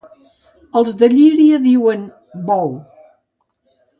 Els de Llíria diuen: «Bou».